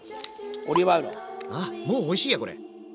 もうおいしいやこれ！